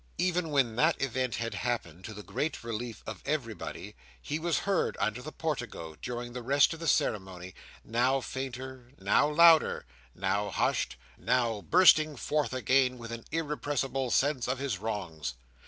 Even when that event had happened, to the great relief of everybody, he was heard under the portico, during the rest of the ceremony, now fainter, now louder, now hushed, now bursting forth again with an irrepressible sense of his wrongs.